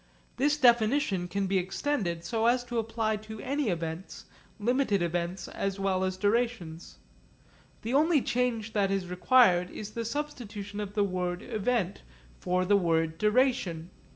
This definition can be extended so as to apply to any events, limited events as well as durations. The only change that is required is the substitution of the word 'event' for the word 'duration.'